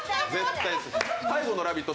最後の「ラヴィット！」